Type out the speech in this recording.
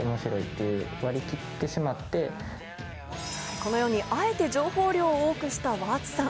このように、あえて情報量を多くしたＷｕｒｔＳさん。